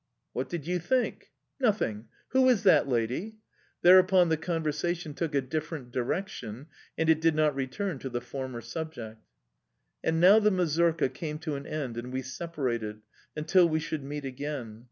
"What did you think?"... "Nothing! Who is that lady?" Thereupon the conversation took a different direction, and it did not return to the former subject. And now the mazurka came to an end and we separated until we should meet again.